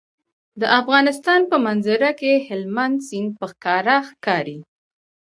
د افغانستان په منظره کې هلمند سیند په ښکاره ښکاري.